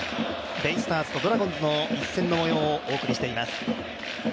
ベイスターズとドラゴンズの一戦の模様をお送りしています。